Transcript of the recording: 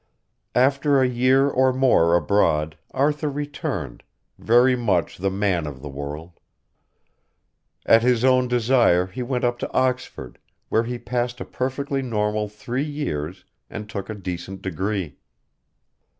After a year or more abroad Arthur returned, very much the man of the world. At his own desire he went up to Oxford, where he passed a perfectly normal three years and took a decent degree.